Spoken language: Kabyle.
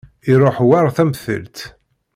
Iruḥ war tamentilt.